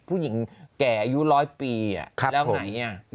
ไม่เกี่ยว